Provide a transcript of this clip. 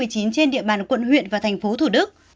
trên địa bàn quận huyện và tp hcm